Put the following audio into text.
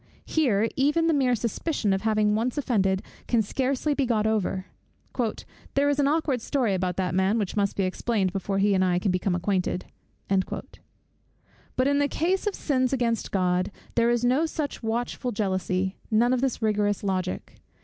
Here, even the mere suspicion of having once offended can scarcely be got over: "There is an aukward story about that man, which must be explained before he and I can become acquainted." But in the case of sins against God, there is no such watchful jealousy, none of this rigorous logic.